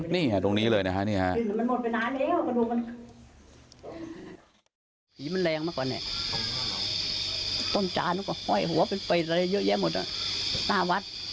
นี่ตรงนี้เลยนะครับ